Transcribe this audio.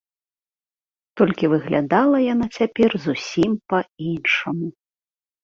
Толькі выглядала яна цяпер зусім па-іншаму.